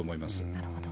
なるほど。